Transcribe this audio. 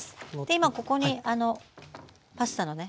今ここにパスタのね